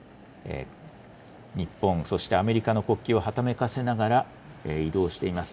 日本、そしてアメリカの国旗をはためかせながら移動しています。